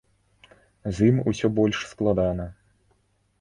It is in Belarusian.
З ім усё больш складана.